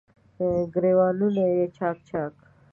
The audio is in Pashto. ګریوانونه یې چا ک، چا ک